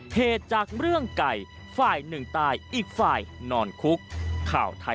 เหตุจากเรื่องไก่ฝ่ายหนึ่งตายอีกฝ่ายนอนคุกข่าวไทย